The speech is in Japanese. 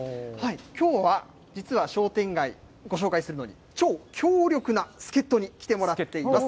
きょうは実は商店街、ご紹介するのに、超強力な助っ人に来てもらっています。